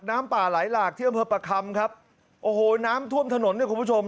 น้ำป่าไหลหลากที่อำเภอประคำครับโอ้โหน้ำท่วมถนนเนี่ยคุณผู้ชม